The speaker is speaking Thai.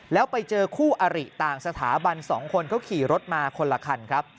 แล้วไปเจอคู่อริต่างสถาบัน๒คนเขาขี่รถมาคนละคันครับ